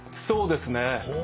そうですね。